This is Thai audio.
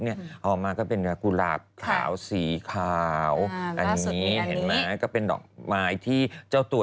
เข้ามีอย่างกุหลาบสีขาว